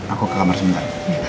aku ke kamar sebentar